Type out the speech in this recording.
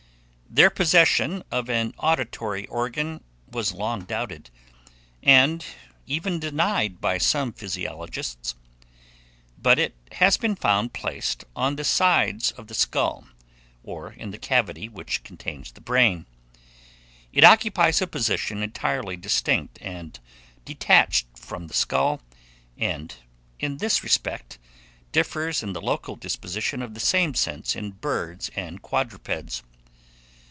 Their possession of an auditory organ was long doubted, and even denied by some physiologists; but it has been found placed on the sides of the skull, or in the cavity which contains the brain. It occupies a position entirely distinct and detached from the skull, and, in this respect, differs in the local disposition of the same sense in birds and quadrupeds.